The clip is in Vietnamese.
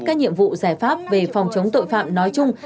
các nhiệm vụ giải pháp về phòng chống tội phạm nói chung